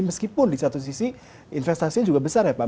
meskipun di satu sisi investasinya juga besar ya pak